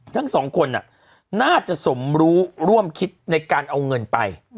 ทั้งสองคนน่าจะสมรู้ร่วมคิดในการเอาเงินไป